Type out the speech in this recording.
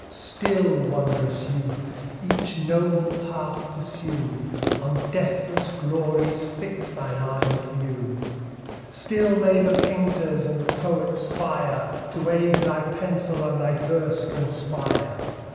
Still, wond'rous youth! each noble path pursue, On deathless glories fix thine ardent view: Still may the painter's and the poet's fire To aid thy pencil, and thy verse conspire!